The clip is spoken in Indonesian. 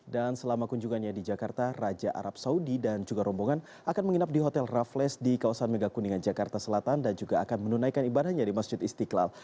selama kunjungannya di jakarta raja arab saudi dan juga rombongan akan menginap di hotel raffles di kawasan megakuningan jakarta selatan dan juga akan menunaikan ibadahnya di masjid istiqlal